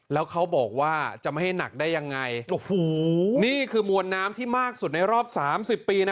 แล้วเขาบอกว่าจะไม่ให้หนักได้ยังไงโอ้โหนี่คือมวลน้ำที่มากสุดในรอบสามสิบปีนะ